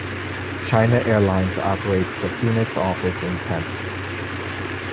China Airlines operates the Phoenix office in Tempe.